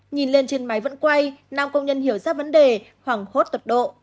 nhìn lên trên máy vẫn quay nam công nhân hiểu ra vấn đề hoảng hốt tập độ